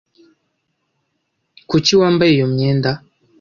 Kuki wambaye iyo myenda?